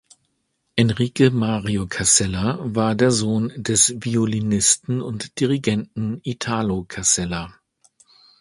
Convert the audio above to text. Enrique Mario Casella war der Sohn des Violinisten und Dirigenten Italo Casella.